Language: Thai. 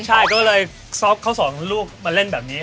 ใช่ก็เลยซอฟต์เขาสองลูกมาเล่นแบบนี้